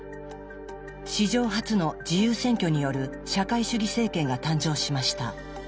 史上初の自由選挙による社会主義政権が誕生しました。